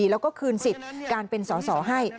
แล้วก็คืนสิทธิ์การเป็นสอสอให้